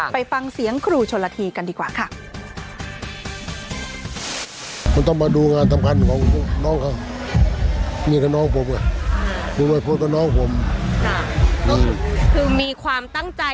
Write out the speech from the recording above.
ไปฟังเสียงครูโชลธีซึมกันดีกว่าค่ะ